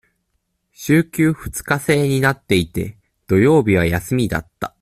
週休二日制になっていて、土曜日は休みだった。